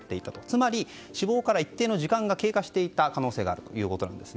つまり、死亡から一定の時間が経過していた可能性があるということです。